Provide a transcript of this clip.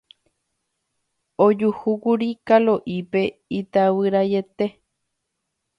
Ojuhúkuri Kalo'ípe itavyraiete.